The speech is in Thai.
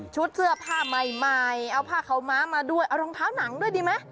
เสื้อผ้าใหม่เอาผ้าขาวม้ามาด้วยเอารองเท้าหนังด้วยดีไหม